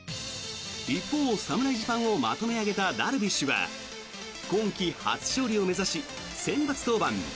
一方、侍ジャパンをまとめ上げたダルビッシュは今季初勝利を目指し先発登板。